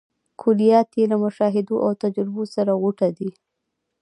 کلیات یې له مشاهدو او تجربو سره غوټه دي.